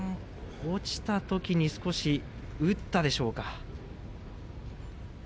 落ちたときに少し打ったでしょうか。